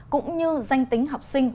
cũng như danh tính học sinh